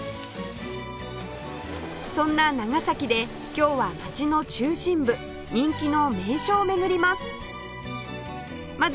そんな長崎で今日は町の中心部人気の名所を巡ります